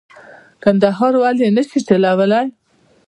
کندهار ولې نه شي چلولای.